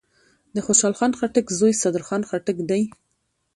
دخوشحال خان خټک زوی صدرخان خټک دﺉ.